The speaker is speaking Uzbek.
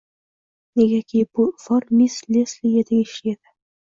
Negaki, bu ifor miss Lesliga tegishli edi